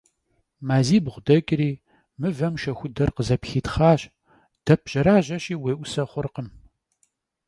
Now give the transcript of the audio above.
Mazibğu deç'ri, mıvem şşexuder khızepxitxhaş, dep jerajeşi, vuê'use xhurkhım.